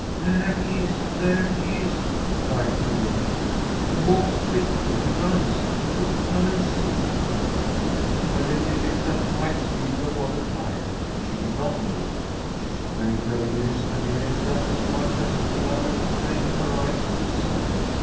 ' There he is ! there he is !' she cried to her ladyship. ' He walks quickly ! he runs ! Do come and see !' Her ladyship sat quite still before the fire. She did not move. She strained her ears to hear, just as much as the other strained her eyes to see.